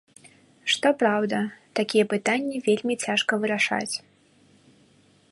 Што праўда, такія пытанні вельмі цяжка вырашаць.